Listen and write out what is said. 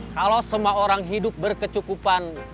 kalau semua orang hidup berkecukupan